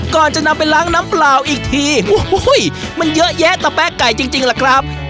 ก่อนจะนำไปล้างน้ำเปล่าอีกทีโอ้โหมันเยอะแยะตะแป๊ะไก่จริงล่ะครับ